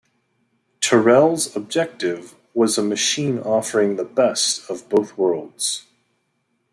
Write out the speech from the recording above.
Terrell's objective was a machine offering the best of both worlds.